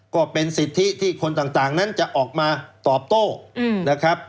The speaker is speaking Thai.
ก็เป็นสิทธิที่คนต่างนั้นจะออกมาตอบโต้นะครับ